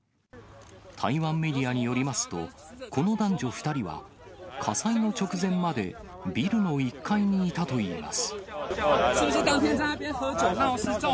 台湾メディアによりますと、この男女２人は、火災の直前まで、ビルの１階にいたといいます。